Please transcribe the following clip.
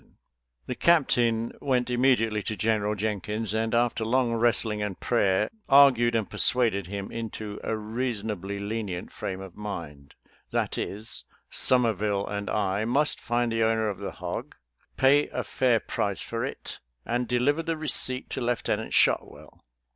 FORAGING FOR HOG MEAT 159 The Captain went immediately to General Jen kins, and, after long wrestling and prayer, ar gued and persuaded him into a reasonably lenient frame of mind; that is, Somerville and I must find the owner of the hog, pay a fair price for it, and deliver the receipt to Lieutenant Shotwell.